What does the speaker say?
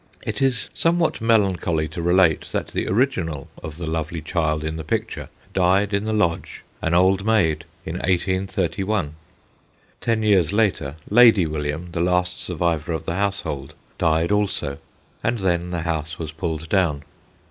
It is somewhat melancholy to relate that the original of the lovely child in the picture died in the Lodge, an old maid, in 1831. Ten years later, Lady William, the last survivor of the household, died also, and then the house was pulled down.